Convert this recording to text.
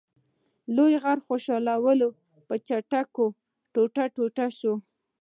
لوی غر خوشحال په څټکو ټوټه ټوټه شو.